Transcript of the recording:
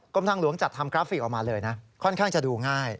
ทางหลวงจัดทำกราฟิกออกมาเลยนะค่อนข้างจะดูง่าย